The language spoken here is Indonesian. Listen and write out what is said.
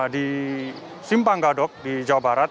di simpang gadok di jawa barat